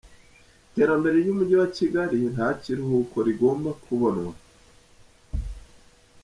Iterambere ry’Umujyi wa Kigali nta kiruhuko rigomba kubonwa